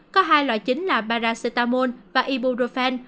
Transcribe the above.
có hai loại chính là paracetamol và ibuprofen